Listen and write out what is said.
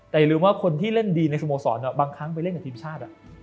แต่อย่าลืมว่าคนที่เล่นดีในสโมสรบางครั้งไปเล่นกับทีมชาติ